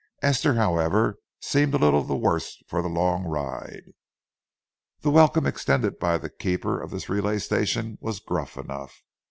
Esther, however, seemed little the worse for the long ride. The welcome extended by the keeper of this relay station was gruff enough.